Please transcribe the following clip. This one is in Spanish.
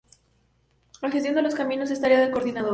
La gestión de los caminos es tarea del coordinador.